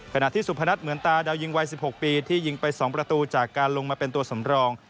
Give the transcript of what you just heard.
ขณะที่สุพนัทเหมือนตาดาวยิงวัย๑๖ปีที่ยิงไป๒ประตูจากการลงมาเป็นตัวสำรอง